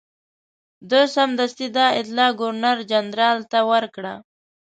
ده سمدستي دا اطلاع ګورنرجنرال ته ورکړه.